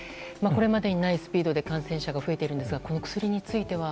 これまでにないスピードで感染者が増えているんですがこの薬については。